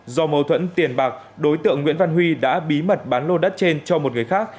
do mâu thuẫn tiền bạc đối tượng nguyễn văn huy đã bí mật bán lô đất trên cho một người khác